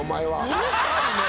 「うるさいね」。